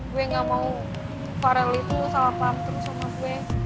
gue nggak mau farel itu salah paham terus sama gue